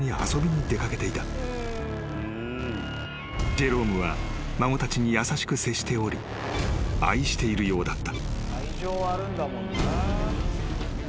［ジェロームは孫たちに優しく接しており愛しているようだった］